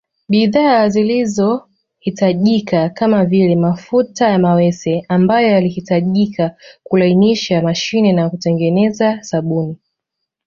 Bidhaa zilizo hitajika kamavile mafuta ya mawese ambayo yalihitajika kulainisha mashine na kutengeneza sabuni